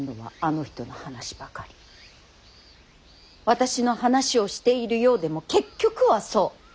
私の話をしているようでも結局はそう。